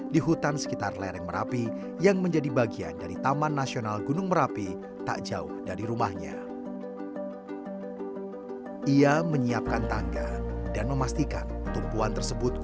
setelah berjalan sekitar tiga puluh menit dari rumahnya akhirnya musimin tiba di titik pengembalian angkreg